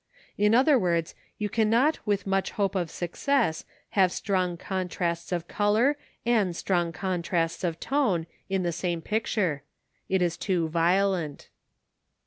In other words, you cannot with much hope of success have strong contrasts of colour and strong contrasts of tone in the same picture: it is too violent.